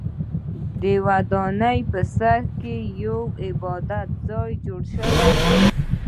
د ودانۍ په سر کې یو عبادت ځای جوړ شوی و.